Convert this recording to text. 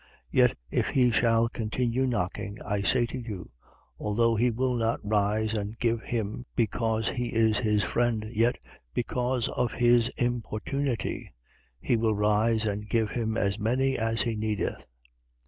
11:8. Yet if he shall continue knocking, I say to you, although he will not rise and give him because he is his friend; yet, because of his importunity, he will rise and give him as many as he needeth.